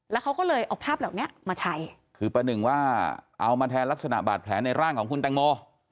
แล้วเขาก็เลยเอาภาพเหล่านี้มาใช้คือประหนึ่งว่าเอามาแทนลักษณะบาดแผลในร่างของคุณแตงโม